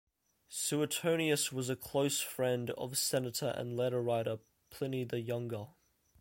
Suetonius was a close friend of senator and letter-writer Pliny the Younger.